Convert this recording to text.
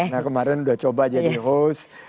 nah kemarin udah coba jadi host